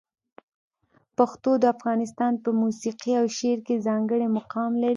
پښتو د افغانستان په موسیقي او شعر کې ځانګړی مقام لري.